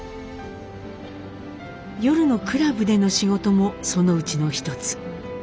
夜のクラブでの仕事もそのうちの一つ。